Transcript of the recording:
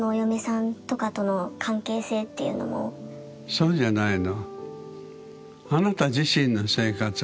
そうじゃないの。